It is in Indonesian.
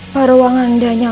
para orang yang tidak tahu